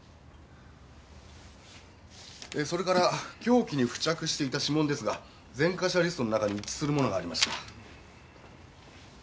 それから凶器に付着していた指紋ですが前科者リストの中に一致するものがありました。